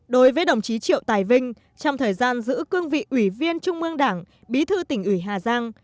đối với đồng chí triệu tài vinh trong thời gian giữ cương vị ủy viên trung mương đảng bí thư tỉnh ủy hà giang